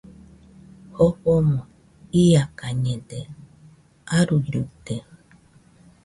Jofomo iakañede, aruiruite